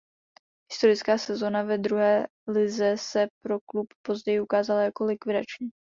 Historická sezóna ve druhé lize se pro klub později ukázala jako likvidační.